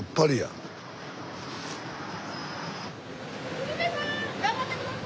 ・鶴瓶さん頑張って下さい！